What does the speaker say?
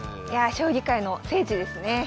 いやあ将棋界の聖地ですね。